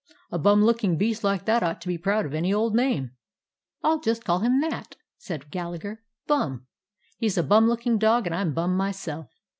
A bum looking beast like that ought to be proud of any old name." "I'll just call him that," said Gallagher; "Bum. He 's a bum looking dog, and I 'm bum myself.